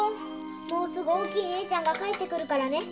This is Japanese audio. すぐ大きいお姉ちゃん帰って来るからね。